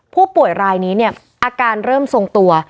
ผู้ป่วยรายนี้เนี่ยอาการเริ่มทรงตัว